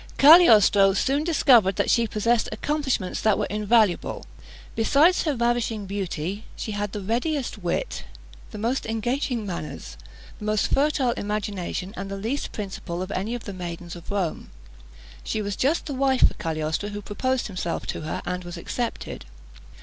Cagliostro soon discovered that she possessed accomplishments that were invaluable. Besides her ravishing beauty, she had the readiest wit, the most engaging manners, the most fertile imagination, and the least principle of any of the maidens of Rome. She was just the wife for Cagliostro, who proposed himself to her, and was accepted.